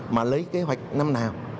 mà lấy kế hoạch năm nào